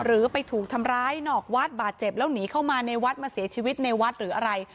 หรือไปถูกทำร้ายนอกวัดบาดเจ็บแล้วหนีเข้ามาในวัดมาเสียชีวิตในวัดหรืออะไร